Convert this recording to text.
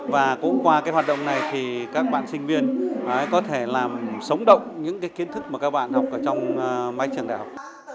và cũng qua cái hoạt động này thì các bạn sinh viên có thể làm sống động những kiến thức mà các bạn học ở trong mái trường đại học